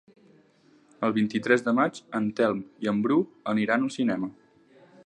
El vint-i-tres de maig en Telm i en Bru aniran al cinema.